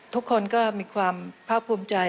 ทุกคนก็มีความพร้อมภูมิใจ